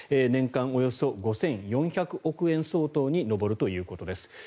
年間およそ５４００億円相当に上るということです。